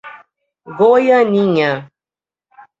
Goianinha